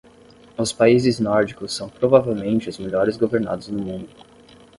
Os países nórdicos são provavelmente os melhores governados no mundo.